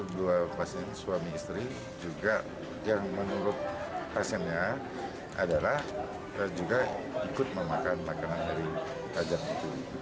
dua pasien suami istri juga yang menurut pasiennya adalah juga ikut memakan makanan dari pajak itu